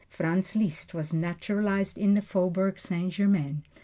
Franz Liszt was naturalized in the Faubourg Saint Germain.